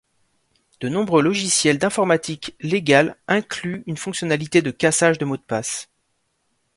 De nombreux logiciels d'informatique légale incluent une fonctionnalité de cassage de mots de passe.